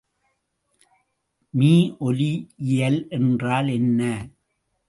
மீஒலியியல் என்றால் என்ன?